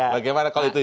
bagaimana kalau itu